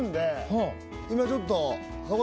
今ちょっと。